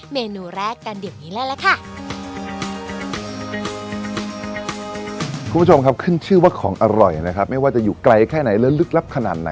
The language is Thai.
เมนูแรกกันเดี๋ยวนี้เลยล่ะค่ะ